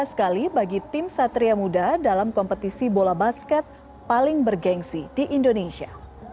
sekali bagi tim satria muda dalam kompetisi bola basket paling bergensi di indonesia